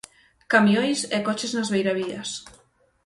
Camións e coches nas beiravías.